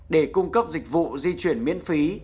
để cung cấp dịch vụ di chuyển miễn phí